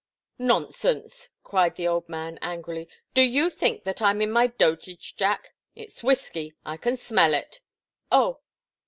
"Nonsense!" cried the old man, angrily. "Do you think that I'm in my dotage, Jack? It's whiskey. I can smell it!" "Oh!"